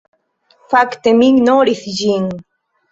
Fakte mi ignoris ĝin.